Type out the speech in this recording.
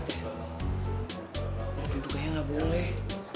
tentunya kayaknya enggak boleh